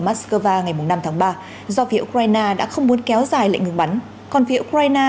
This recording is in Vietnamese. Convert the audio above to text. moscow ngày năm tháng ba do phía ukraina đã không muốn kéo dài lệnh ngừng bắn còn phía ukraina